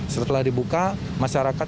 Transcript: setelah dibuka masyarakat